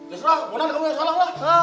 ya sudah udah kamu yang salah lah